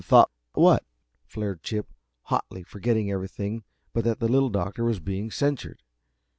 "Thought what?" flared Chip, hotly, forgetting everything but that the Little Doctor was being censured.